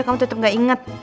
kamu tetep gak inget